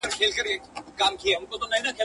كوم اكبر به ورانوي د فرنګ خونه.